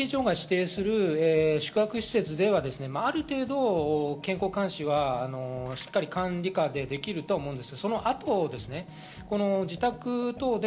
国の指定の検疫所、宿泊施設では、ある程度、健康監視は管理下でできると思うんです。